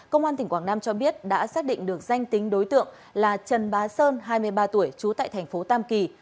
công an tỉnh quảng nam cho biết đã xác định được danh tính đối tượng là trần bá sơn hai mươi ba tuổi trú tại thành phố tam kỳ